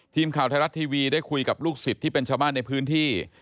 ทีมข่าวไทยรัฐทีวีได้คุยกับลูกศิษย์ที่เป็นชาวบ้านในพื้นที่